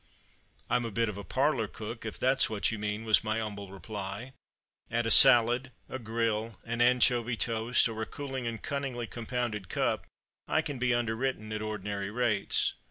"I'm a bit of a parlour cook, if that's what you mean," was my humble reply. "At a salad, a grill, an anchovy toast, or a cooling and cunningly compounded cup, I can be underwritten at ordinary rates.